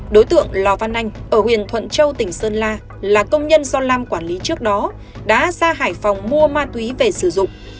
đối tượng lò văn anh ở huyện thuận châu tỉnh sơn la là công nhân do lam quản lý trước đó đã ra hải phòng mua ma túy về sử dụng